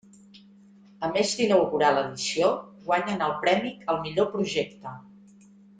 A més d'inaugurar l'edició guanyen el premi al millor projecte.